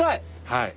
はい。